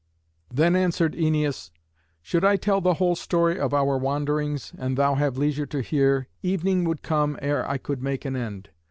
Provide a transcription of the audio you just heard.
Then answered Æneas, "Should I tell the whole story of our wanderings, and thou have leisure to hear, evening would come ere I could make an end.